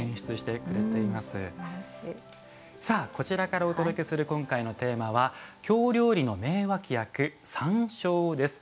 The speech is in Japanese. こちらからお届けする今回のテーマは京料理の名脇役、山椒です。